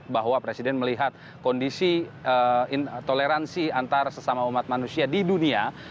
bahwa presiden melihat kondisi toleransi antar sesama umat manusia di dunia